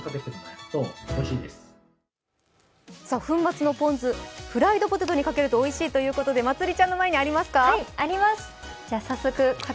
粉末のポン酢、フライドポテトにかけるとおいしいということでまつりちゃんの前にありますか。